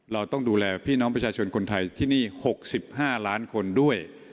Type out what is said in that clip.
เราต้องดูแลพี่น้องประชาชนคนไทยที่นี่๖๕ล้านคนด้วย